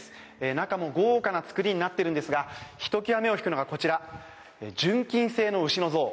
中も豪華な作りになっているんですがひときわ目を引くのがこちら純金製の牛の像。